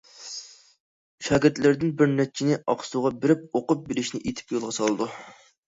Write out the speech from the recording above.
شاگىرتلىرىدىن بىر نەچچىنى ئاقسۇغا بېرىپ ئوقۇپ بېرىشنى ئېيتىپ يولغا سالىدۇ.